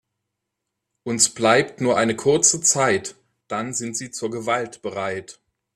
Uns bleibt nur eine kurze Zeit, dann sind sie zur Gewalt bereit.